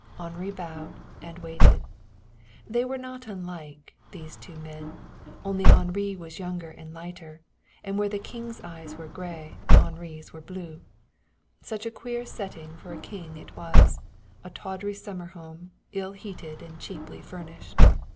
Henri bowed and waited. They were not unlike, these two men, only Henri was younger and lighter, and where the King's eyes were gray Henri's were blue. Such a queer setting for a king it was a tawdry summer home, ill heated and cheaply furnished.